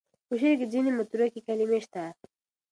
په شعر کې ځینې متروکې کلمې شته.